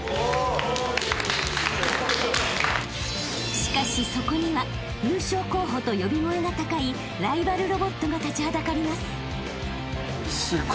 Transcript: ［しかしそこには優勝候補と呼び声が高いライバルロボットが立ちはだかります］